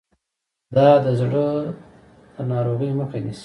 دا د زړه ناروغۍ مخه نیسي.